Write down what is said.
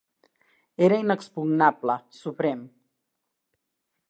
Era inexpugnable, suprem.